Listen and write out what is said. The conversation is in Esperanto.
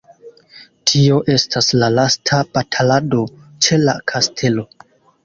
Tio estas la lasta batalado ĉe la kastelo.